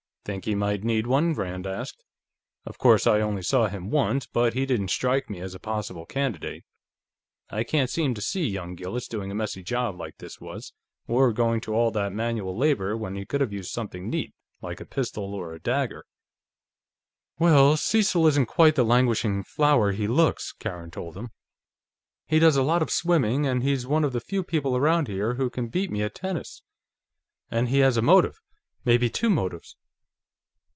"Think he might need one?" Rand asked. "Of course I only saw him once, but he didn't strike me as a possible candidate. I can't seem to see young Gillis doing a messy job like this was, or going to all that manual labor when he could have used something neat, like a pistol or a dagger." "Well, Cecil isn't quite the languishing flower he looks," Karen told him. "He does a lot of swimming, and he's one of the few people around here who can beat me at tennis. And he has a motive. Maybe two motives."